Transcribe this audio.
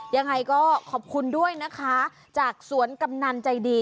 ยังไงก็ขอบคุณด้วยนะคะจากสวนกำนันใจดี